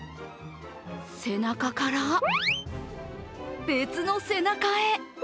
背中から別の背中へ。